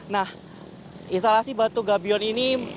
nah instalasi batu gabion ini